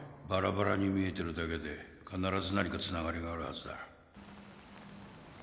バラバラに見えてるだけで必ず何かつながりがあるはずだ